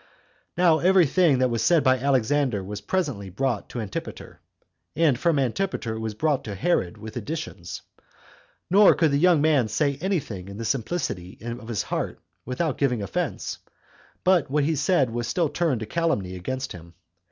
Now every thing that was said by Alexander was presently brought to Antipater, and from Antipater it was brought to Herod with additions. Nor could the young man say any thing in the simplicity of his heart, without giving offense, but what he said was still turned to calumny against him.